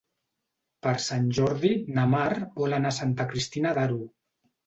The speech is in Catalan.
Per Sant Jordi na Mar vol anar a Santa Cristina d'Aro.